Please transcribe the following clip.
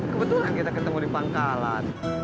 kebetulan kita ketemu di pangkalan